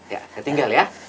ya ketinggal ya